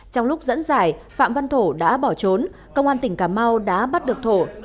trong lúc dẫn giải phạm văn thổ đã bỏ trốn công an tỉnh cà mau đã bắt được thổ